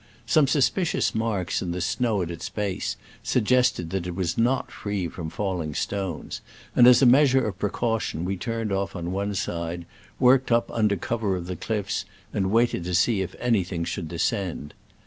Some suspicious marks in the snow at its base suggested that it was not free from falling stones, and as a measure of precaution we turned off on one side, worked up tinder cover of the cliffs, and waited to see if anything should descend.